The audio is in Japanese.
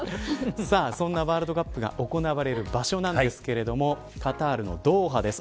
そんなワールドカップが行われる場所なんですけどカタールのドーハです。